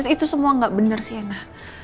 itu semua gak bener sienna